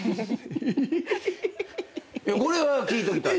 これは聞いときたい。